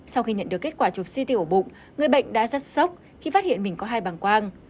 sau khi nhận được kết quả chụp ct ổ bụng người bệnh đã rất sốc khi phát hiện mình có hai bằng quang